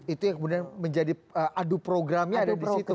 itu yang kemudian menjadi adu programnya ada di situ